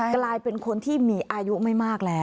กลายเป็นคนที่มีอายุไม่มากแล้ว